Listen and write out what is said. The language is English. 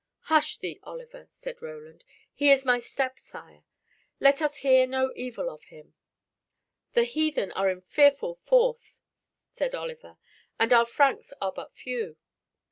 "Hush thee, Oliver," said Roland; "he is my stepsire. Let us hear no evil of him." "The heathen are in fearful force," said Oliver, "and our Franks are but few.